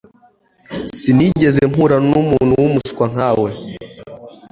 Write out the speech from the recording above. Sinigeze mpura numuntu wumuswa nkawe.